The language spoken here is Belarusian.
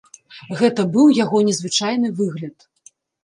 Гэта быў яго незвычайны выгляд.